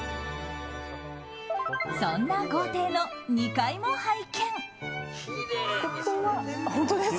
そんな豪邸の２階も拝見。